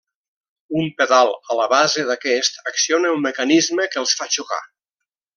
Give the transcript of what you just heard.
Un pedal a la base d'aquest acciona un mecanisme que els fa xocar.